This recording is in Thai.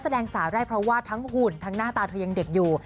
แสดงสาวได้เพราะว่าทั้งหุ่นทั้งหน้าตาเธอยังเด็กอยู่